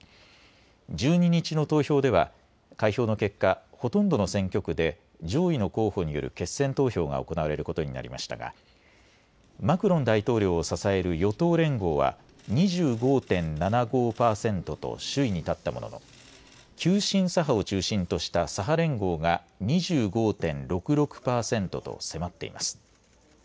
１２日の投票では開票の結果、ほとんどの選挙区で上位の候補による決選投票が行われることになりましたがマクロン大統領を支える与党連合は２５．７５％と首位に立ったものの急進左派を中心とした左派連合が２５．６６％と迫っています。